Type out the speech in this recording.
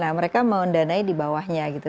nah mereka mau mendanai di bawahnya gitu